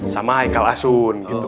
sama haikal asun gitu